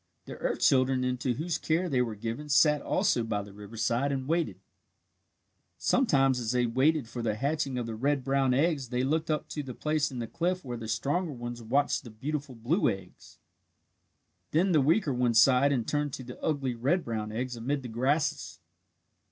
The earth children into whose care they were given sat also by the riverside and waited. Sometimes, as they waited for the hatching of the red brown eggs, they looked up to the place in the cliff where the stronger ones watched the beautiful blue eggs. Then the weaker ones sighed and turned to the ugly red brown eggs amid the grasses.